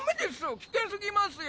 危険すぎますよ。